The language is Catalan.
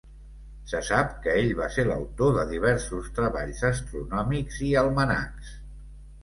Se sap que ell va ser l'autor de diversos treballs astronòmics i almanacs.